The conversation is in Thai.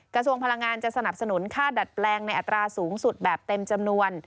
กระทรวงพลังงานจะสนับสนุนค่าดัดแปลงในอัตราสูงสุดแบบเต็มจำนวน